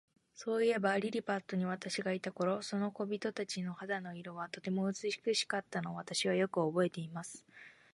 そういえば、リリパットに私がいた頃、あの小人たちの肌の色は、とても美しかったのを、私はよくおぼえています。